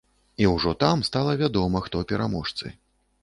І ўжо там стала вядома, хто пераможцы.